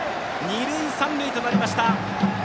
二塁三塁となりました。